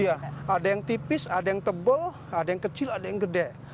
iya ada yang tipis ada yang tebal ada yang kecil ada yang gede